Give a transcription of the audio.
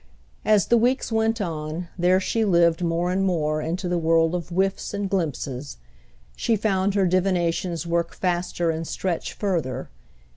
As the weeks went on there she lived more and more into the world of whiffs and glimpses, she found her divinations work faster and stretch further.